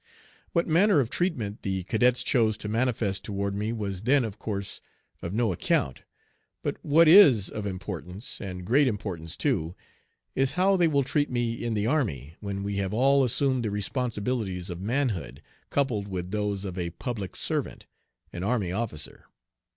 What manner of treatment the cadets chose to manifest toward me was then of course of no account. But what is of importance, and great importance too, is how they will treat me in the army, when we have all assumed the responsibilities of manhood, coupled with those of a public servant, an army officer.